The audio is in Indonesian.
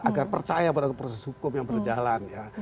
agar percaya pada proses hukum yang berada di dalamnya